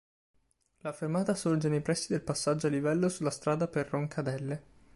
La fermata sorge nei pressi del passaggio a livello sulla strada per Roncadelle.